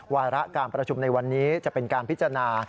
วาระการประชุมในวันนี้จะเป็นการพิจารณา